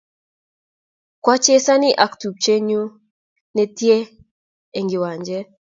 Kwa chezani ak tupchet nyun ne tie eng kiwanjet